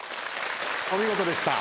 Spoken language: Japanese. お見事でした。